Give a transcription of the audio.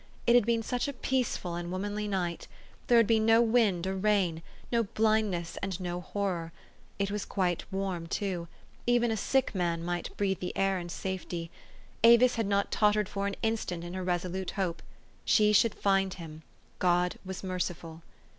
It had been such a peaceful and wo manly night ! There had been no wind or rain, no blindness, and no horror. It was quite warm too : even a sick man might breathe the air in safety. Avis had not tottered for an instant in her resolute hope. She should find him. God was merciful.